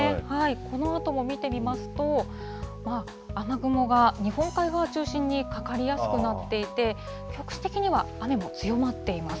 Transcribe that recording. このあとも見てみますと、雨雲が日本海側を中心に、かかりやすくなっていて、局地的には雨も強まっています。